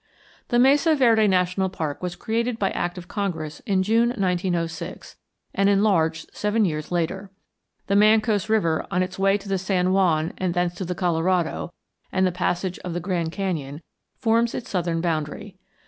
The Mesa Verde National Park was created by act of Congress in June, 1906, and enlarged seven years later. The Mancos River, on its way to the San Juan and thence to the Colorado and the passage of the Grand Canyon, forms its southern boundary.